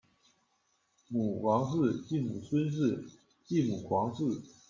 母王氏；继母孙氏；继母黄氏。